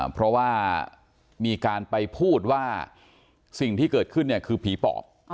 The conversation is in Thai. เพราะว่ามีการไปพูดว่าสิ่งที่เกิดขึ้นเนี่ยคือผีปอบ